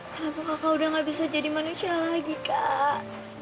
kenapa kakak udah gak bisa jadi manusia lagi kak